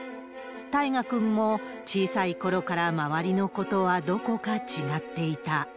大芽くんも、小さいころから周りの子とはどこか違っていた。